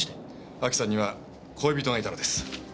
亜紀さんには恋人がいたのです。